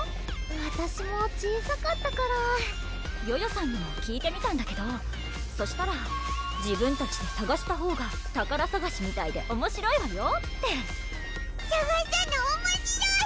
わたしも小さかったからヨヨさんにも聞いてみたんだけどそしたら「自分たちでさがしたほうが宝さがしみたいでおもしろいわよぉ」ってさがすのおもしろい！